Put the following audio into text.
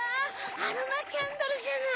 アロマキャンドルじゃない！